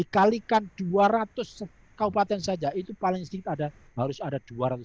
dikalikan dua ratus kabupaten saja itu paling sedikit ada harus ada dua ratus